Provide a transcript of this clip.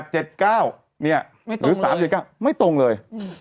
หรือ๓๗๙ไม่ตรงเลย